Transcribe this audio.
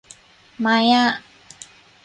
ไมอ่ะ